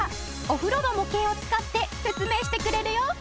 お風呂の模型を使って説明してくれるよ。